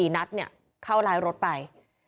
๔นัดเนี่ยเข้าร้ายรถไป